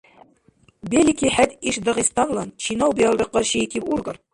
Белики, хӀед иш дагъистанлан чинав-биалра къаршиикиб ургар?